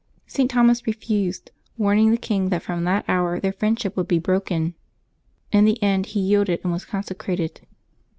St. Thomas refused, warning the king that from that hour their friendship would be broken. In the end he yielded, ajl was consecrated.